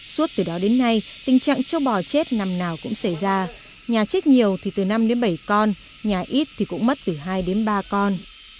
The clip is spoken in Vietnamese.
suốt từ đó đến nay tình trạng châu bò chết năm nào cũng xảy ra nhà chết nhiều thì từ năm đến bảy con nhà ít thì cũng mất từ hai đến ba con